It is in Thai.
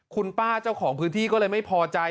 คุณป้าเจ้าของพื้นที่ก็เลยไม่พอใจ